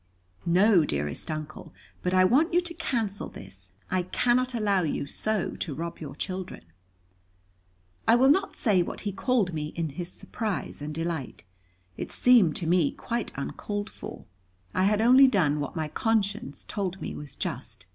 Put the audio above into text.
"No, dearest Uncle. But I want you to cancel this. I cannot allow you so to rob your children." I will not say what he called me in his surprise and delight. It seemed to me quite uncalled for; I had only done what my conscience told me was just.